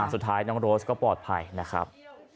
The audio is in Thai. สุดท้ายน้องโรสก็ปลอดภัยนะครับ